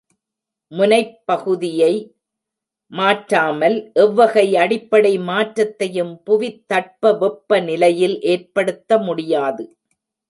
முனைப் பகுதியை மாற்றாமல், எவ்வகை அடிப்படை மாற்றத்தையும் புவித் தட்ப வெப்ப நிலையில் ஏற்படுத்த முடியாது.